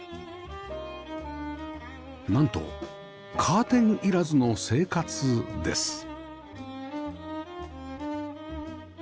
なんとカーテン要らずの生活です